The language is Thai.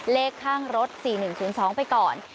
เลขข้างรถ๔๑๐๒ไปก่อน